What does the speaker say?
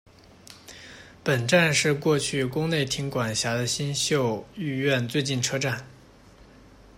本站是过去宫内厅管辖的新宿御苑最近车站。